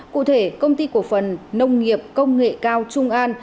cụ thể công ty cổ phần nông nghiệp công nghệ cao trung an